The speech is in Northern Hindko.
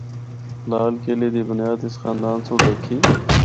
لال قلعے دی بنیاد اس خاندان سنڑ رکھی۔